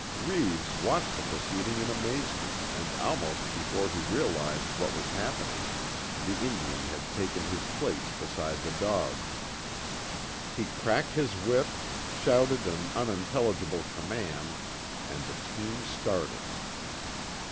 Reeves watched the proceeding in amazement, and almost before he realized what was happening, the Indian had taken his place beside the dogs. He cracked his whip, shouted an unintelligible command, and the team started.